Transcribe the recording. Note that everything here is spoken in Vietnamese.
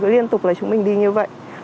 liên tục là chúng mình đi như vậy